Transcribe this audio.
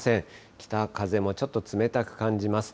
北風もちょっと冷たく感じます。